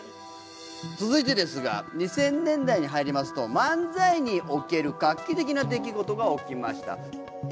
続いてですが２０００年代に入りますと漫才における画期的な出来事が起きました。